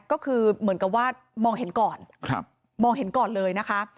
ก็คือเหมือนกับว่ามองเห็นก่อนมองเห็นก่อนเลยนะคะ